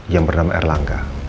yang bernama erlangga